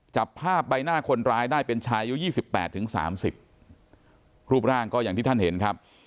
จับภาพใบหน้าคนร้ายได้เป็นชายอายุยี่สิบแปดถึงสามสิบรูปร่างก็อย่างที่ท่านเห็นครับ